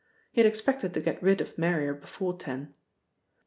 He had expected to get rid of Marrier before ten.